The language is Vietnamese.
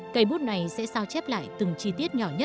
cây bút này sẽ sao chép lại từng chi tiết nhỏ nhất